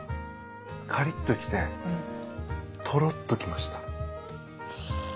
かりっときてとろっときました。